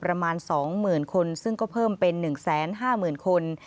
ประมาณ๒หมื่นคนซึ่งก็เพิ่มเป็น๑๕หมื่นคน